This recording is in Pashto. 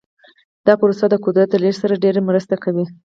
دا پروسه د قدرت د لیږد سره ډیره مرسته کوي.